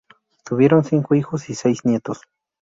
Tuvieron cinco hijos y seis nietos.